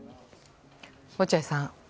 落合さん。